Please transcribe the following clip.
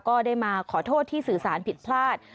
ก็ได้มาขอโทษที่สื่อสารผิดพลาด